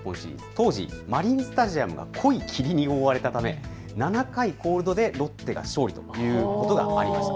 当時、マリンスタジアムが濃い霧に覆われたため７回コールドでロッテが勝利ということがありました。